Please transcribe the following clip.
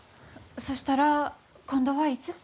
そしたら今度はいつ？